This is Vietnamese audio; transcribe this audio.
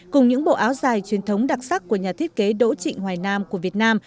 cùng những bộ áo dài truyền thống đặc sắc của nhà thiết kế đỗ trịnh hoài nam của việt nam